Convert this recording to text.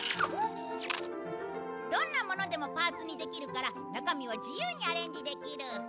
どんなものでもパーツにできるから中身は自由にアレンジできる。